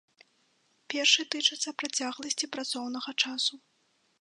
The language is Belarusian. Першы тычыцца працягласці працоўнага часу.